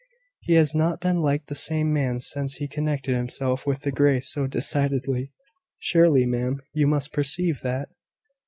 He has not been like the same man since he connected himself with the Greys so decidedly. Surely, ma'am, you must perceive that."